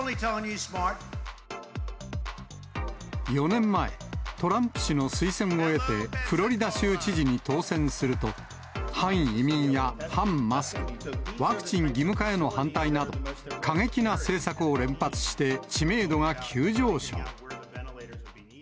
４年前、トランプ氏の推薦を得て、フロリダ州知事に当選すると、反移民や反マスク、ワクチン義務化への反対など、過激な政策を連発して、知名度が急上昇。